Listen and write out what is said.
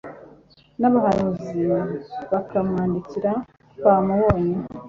n'abahanuzi bakamwandika, twamubonye. »